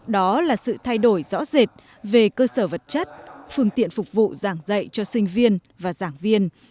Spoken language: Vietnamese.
đó là sự thay đổi rõ rệt về cơ sở vật chất phương tiện phục vụ giảng dạy cho sinh viên và giảng viên